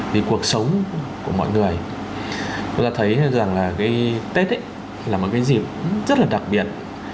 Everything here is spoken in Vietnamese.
vì cuộc sống của mọi người chúng ta thấy rằng là cái tết là một cái dịp rất là đặc biệt